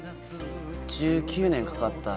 １９年かかった。